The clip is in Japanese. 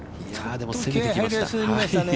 でも攻めてきました。